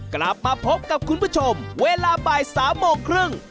กลับมาพบกับคุณผู้ชมเวลาบ่าย๓โมงครึ่ง